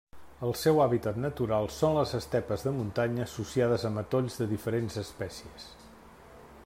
El seu hàbitat natural són les estepes de muntanya associades a matolls de diferents espècies.